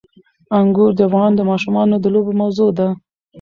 انګور د افغان ماشومانو د لوبو موضوع ده.